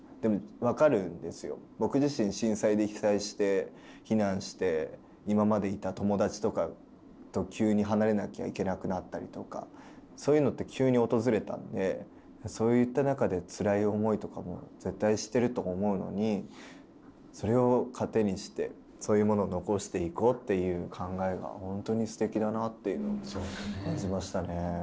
僕自身震災で被災して避難して今までいた友達とかと急に離れなきゃいけなくなったりとかそういうのって急に訪れたんでそういった中でつらい思いとかも絶対してると思うのにそれを糧にしてそういうものを残していこうっていう考えがほんとにすてきだなっていうのを感じましたね。